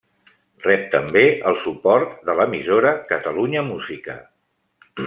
Rep també el suport de l'emissora Catalunya Música.